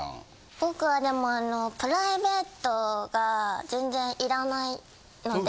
僕はでもプライベートが全然いらないので。